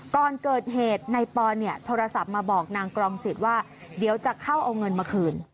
ก่อนเกิดเหตุนายปอนเนี่ยโทรศัพท์มาบอกนางกรองสิทธิ์ว่าเดี๋ยวจะเข้าเอาเงินมาคืน